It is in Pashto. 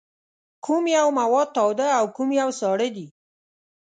کوم یو مواد تاوده او کوم یو ساړه دي؟